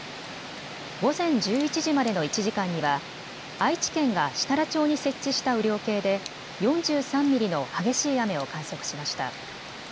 午前１１時までの１時間には愛知県が設楽町に設置した雨量計で４３ミリの激しい雨を観測しました。